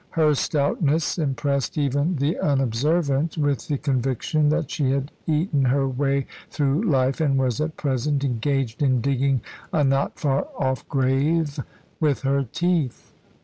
Her stoutness impressed even the unobservant with the conviction that she had eaten her way through life, and was at present engaged in digging a not far off grave with her teeth.